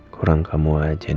kurang kamu aja din